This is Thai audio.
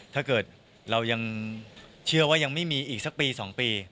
ถ้าเกิดเรายังเชื่อว่ายังไม่มีอีกสักปี๒ปี